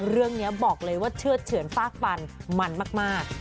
เรื่องนี้บอกเลยว่าเชื่อดเฉือนฟากฟันมันมาก